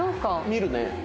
見るね。